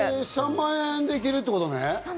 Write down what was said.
３万円で行けるってことね。